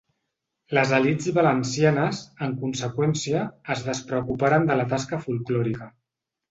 Les elits valencianes, en conseqüència, es despreocuparen de la tasca folklòrica.